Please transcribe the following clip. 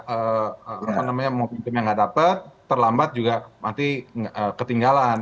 apa namanya mau bikin yang nggak dapet terlambat juga nanti ketinggalan